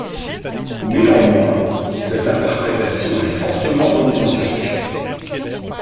Néanmoins, cette interprétation est fortement remise en question.